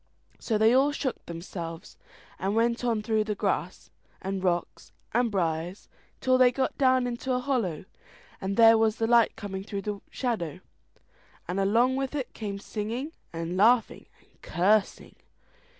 So they all shook themselves, and went on through grass, and rocks, and briars, till they got down into a hollow, and there was the light coming through the shadow, and along with it came singing, and laughing, and cursing.